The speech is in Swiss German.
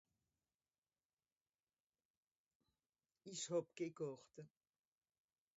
Ìch hàb ké Gàrte.